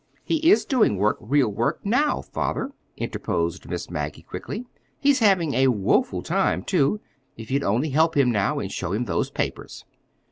"He is doing work, real work, now, father," interposed Miss Maggie quickly. "He's having a woeful time, too. If you'd only help him, now, and show him those papers."